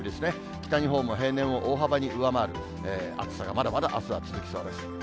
北日本も平年を大幅に上回る暑さがまだまだあすは続きそうです。